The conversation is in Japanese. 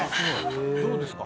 どうですか？